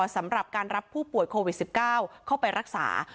สำหรับการรับผู้ป่วยโควิด๑๙เข้าไปรักษา